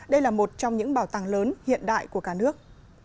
đây là một trong những bảo tàng lớn hiện đại của cả nước